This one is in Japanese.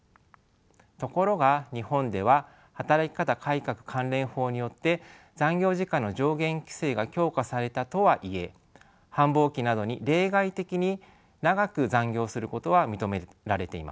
ところが日本では働き方改革関連法によって残業時間の上限規制が強化されたとはいえ繁忙期などに例外的に長く残業をすることは認められています。